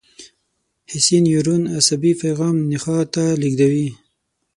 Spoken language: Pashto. حسي نیورون عصبي پیغام نخاع ته لېږدوي.